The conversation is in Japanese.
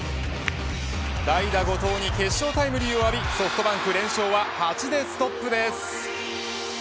代打後藤に決勝タイムリーを浴びソフトバンク連勝は８でストップです。